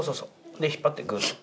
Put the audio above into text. で引っ張ってグッと。